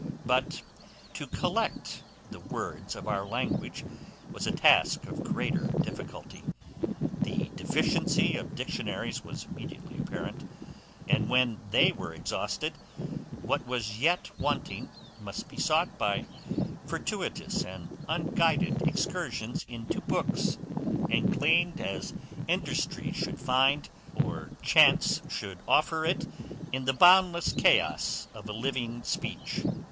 But to COLLECT the WORDS of our language was a task of greater difficulty: the deficiency of dictionaries was immediately apparent; and when they were exhausted, what was yet wanting must be sought by fortuitous and unguided excursions into books, and gleaned as industry should find, or chance should offer it, in the boundless chaos of a living speech.